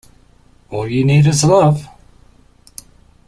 All you need is love!